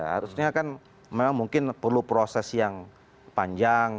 harusnya kan memang mungkin perlu proses yang panjang